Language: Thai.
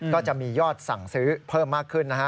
ก็จะมียอดสั่งซื้อเพิ่มมากขึ้นนะฮะ